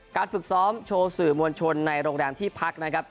ฝึกซ้อมโชว์สื่อมวลชนในโรงแรมที่พักนะครับ